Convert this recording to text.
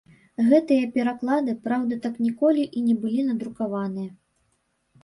Гэтыя пераклады, праўда, так ніколі і не былі надрукаваныя.